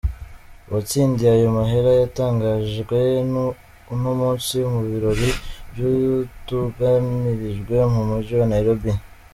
Uwatsindiye ayo mahera yatangajwe uno munsi mu birori vyatunganirijwe mu muji wa Nairobi.